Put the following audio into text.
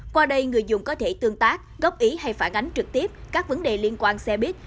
qua đây người dùng có thể tương tác góp ý hay phản ánh trực tiếp các vấn đề liên quan xe buýt